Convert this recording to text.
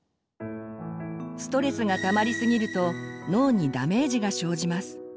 ストレスがたまりすぎると脳にダメージが生じます。